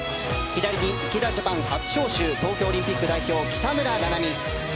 左に池田ジャパン初招集東京オリンピック代表北村菜々美。